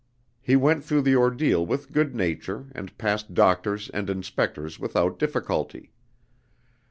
He went through the ordeal with good nature, and passed doctors and inspectors without difficulty.